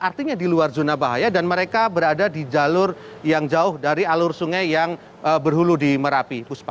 artinya di luar zona bahaya dan mereka berada di jalur yang jauh dari alur sungai yang berhulu di merapi puspa